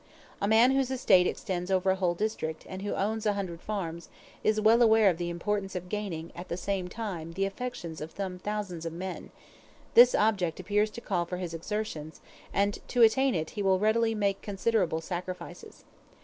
A man whose estate extends over a whole district, and who owns a hundred farms, is well aware of the importance of gaining at the same time the affections of some thousands of men; this object appears to call for his exertions, and to attain it he will readily make considerable sacrifices.